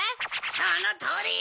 そのとおり！